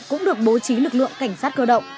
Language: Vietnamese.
cũng được bố trí lực lượng cảnh sát cơ động